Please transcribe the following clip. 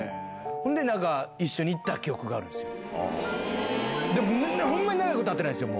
ほんで、一緒に行った記憶があるんですよ。